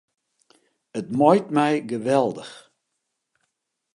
It muoit my geweldich.